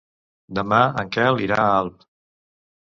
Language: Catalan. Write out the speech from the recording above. Demà en Quel irà a Alp.